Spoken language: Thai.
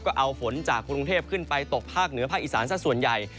ก็เอาฝนจากกรุงเทพขึ้นไปตกภาคเหนือภาคอีสานสักส่วนใหญ่